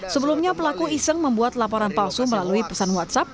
sebelumnya pelaku iseng membuat laporan palsu melalui pesan whatsapp